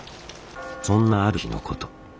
そんなある日のこと。